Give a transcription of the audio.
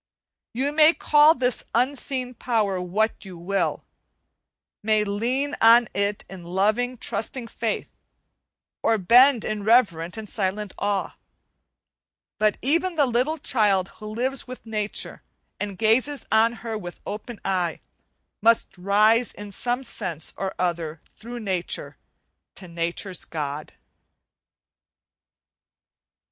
You may call this Unseen Power what you will may lean on it in loving, trusting faith, or bend in reverent and silent awe; but even the little child who lives with nature and gazes on her with open eye, must rise in some sense or other through nature to nature's God.